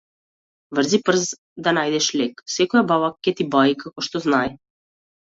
Врзи прст да најдеш лек, секоја баба ќе ти баи како што знаи.